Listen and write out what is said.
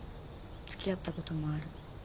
つきあったこともある。